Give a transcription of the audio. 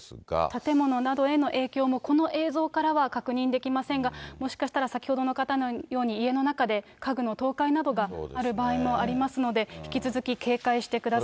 建物などへの影響も、この映像からは確認できませんが、もしかしたら先ほどの方のように、家の中で家具の倒壊などがある場合もありますので、引き続き警戒してください。